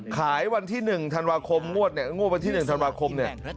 ขายวันที่๑ธันวาคมงวดวันที่๑ธันวาคม